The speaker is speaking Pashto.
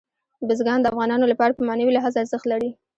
بزګان د افغانانو لپاره په معنوي لحاظ ارزښت لري.